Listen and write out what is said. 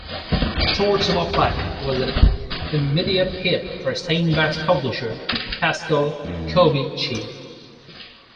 "Tortilla Flat" was an immediate hit for Steinbeck's publisher, Pascal Covici.